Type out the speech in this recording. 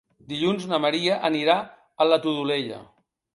Dilluns en Maria anirà a la Todolella.